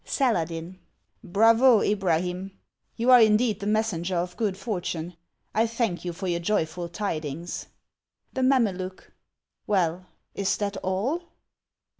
LI. Saladin. Bravo, Ibrahim ! you are indeed the messenger of good for tune ; 1 thank you for your joyful tidings. The Mameluke. Well, is that all